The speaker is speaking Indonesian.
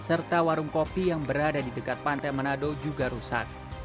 serta warung kopi yang berada di dekat pantai manado juga rusak